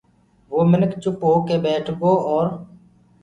وو مِنک چُپ هوڪي ٻيٺگو اورَ